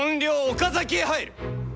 岡崎へ入る！